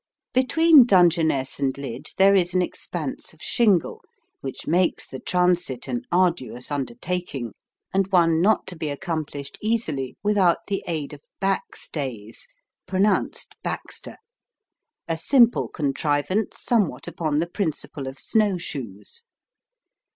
Between Dungeness and Lydd there is an expanse of shingle which makes the transit an arduous undertaking, and one not to be accomplished easily without the aid of "backstays" (pronounced "backster"), a simple contrivance somewhat upon the principle of snowshoes.